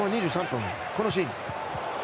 ２３分、このシーン。